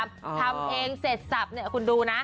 ทำเพลงเสร็จสับเนี่ยคุณดูนะ